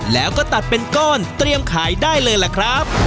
แล้วก็ตัดเป็นก้อนเตรียมขายได้เลยล่ะครับ